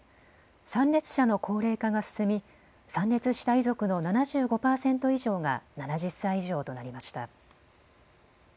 参列者の高齢化が進み参列した遺族の７５％以上が７０歳以上となりました。